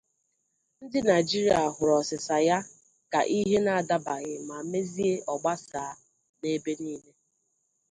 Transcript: Ndị Naịjirịa huru ọsịsa ya ka ihe na adabaghị ma mezie ọ gbasaa ebe niile.